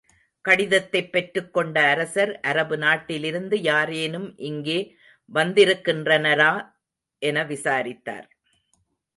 கடிதத்தைப் பெற்றுக் கொண்ட அரசர், அரபு நாட்டிலிருந்து யாரேனும் இங்கே வந்திருக்கின்றனரா? என விசாரித்தார்.